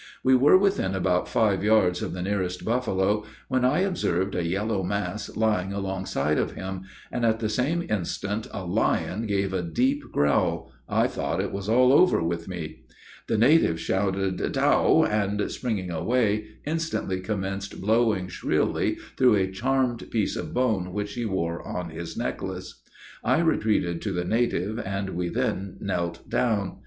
We were within about five yards of the nearest buffalo, when I observed a yellow mass lying alongside of him, and at the same instant a lion gave a deep growl, I thought it was all over with me. The native shouted "Tao," and, springing away, instantly commenced blowing shrilly through a charmed piece of bone which he wore on his necklace. I retreated to the native, and we then knelt down.